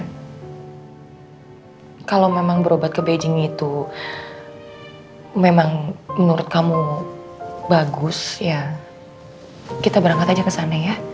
karena kalau memang berobat ke beijing itu memang menurut kamu bagus ya kita berangkat aja ke sana ya